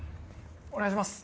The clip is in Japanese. お願いします。